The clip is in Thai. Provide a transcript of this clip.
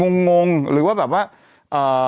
งงหรือว่าแบบว่า